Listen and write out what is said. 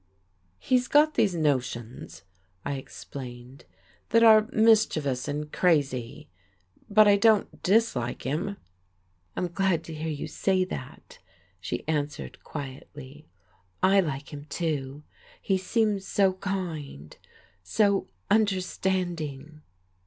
"He's got these notions," I explained, "that are mischievous and crazy but I don't dislike him." "I'm glad to hear you say that!" she answered quietly. "I like him, too he seems so kind, so understanding."